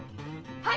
はい！